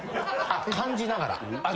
感じながら？